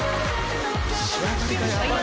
仕上がりがやばい。